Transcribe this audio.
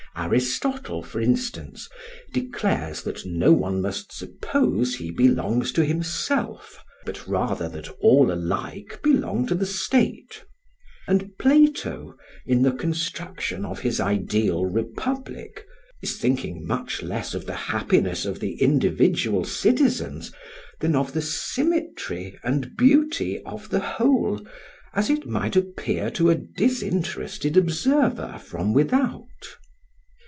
Aristotle, for instance, declares that no one must suppose he belongs to himself, but rather that all alike belong to the state; and Plato, in the construction of his ideal republic, is thinking much less of the happiness of the individual citizens, than of the symmetry and beauty of the whole as it might appear to a disinterested observer from without.